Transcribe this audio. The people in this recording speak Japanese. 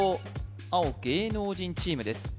青芸能人チームです